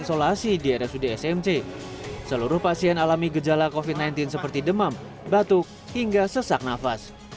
isolasi di rsud smc seluruh pasien alami gejala kofit sembilan belas seperti demam batuk hingga sesak nafas